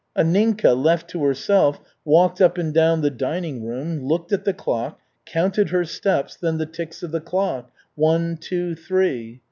Anninka, left to herself, walked up and down the dining room, looked at the clock, counted her steps, then the ticks of the clock one, two, three.